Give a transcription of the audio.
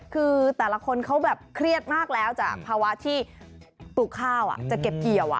คือแต่ละคนเขาแบบเครียดมากแล้วจากภาวะที่ปลูกข้าวจะเก็บเกี่ยว